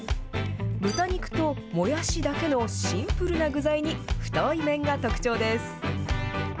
豚肉ともやしだけのシンプルな具材に、太い麺が特徴です。